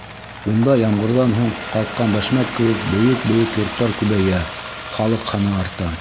Унда ямғырҙан һуң ҡалҡҡан бәшмәк кеүек бейек-бейек йорттар күбәйә, халыҡ һаны арта.